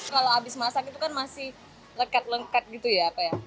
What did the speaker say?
kalau habis masak itu kan masih lengket lengket gitu ya